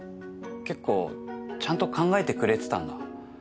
結構ちゃんと考えてくれてたんだ。